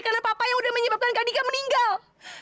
karena papa yang sudah menyebabkan kadika meninggal